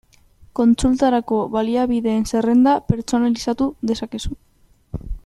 Kontsultarako baliabideen zerrenda pertsonalizatu dezakezu.